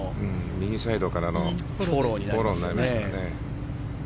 右サイドからのフォローになりますからね。